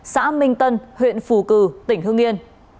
xã minh tân huyện phù cử tỉnh hương yên